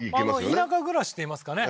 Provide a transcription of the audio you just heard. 田舎暮らしっていいますかね